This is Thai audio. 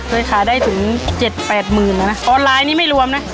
เคยขายได้ถึงเจ็ดแปดหมื่นแล้วนะออนไลน์นี่ไม่รวมนะ